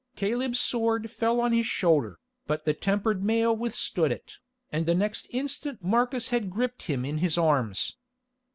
Caleb's sword fell on his shoulder, but the tempered mail withstood it, and next instant Marcus had gripped him in his arms.